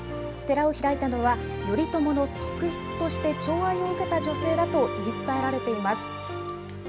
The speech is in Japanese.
寺を開いたのは頼朝の側室としてちょう愛を受けた女性だと言い伝えられています。